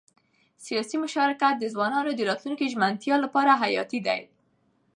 سیاسي مشارکت د ځوانانو د راتلونکي ژمنتیا لپاره حیاتي دی